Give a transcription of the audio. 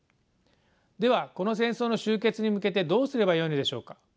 ではこの戦争の終結に向けてどうすればよいのでしょうか？